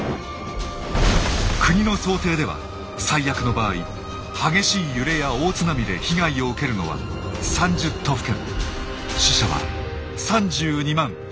国の想定では最悪の場合激しい揺れや大津波で被害を受けるのは３０都府県。